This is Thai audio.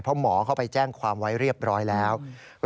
เพราะหมอเข้าไปแจ้งความไว้เรียบร้อยแล้ว